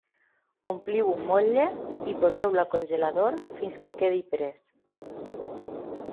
Ompliu un motlle i poseu-lo al congelador fins que quedi pres.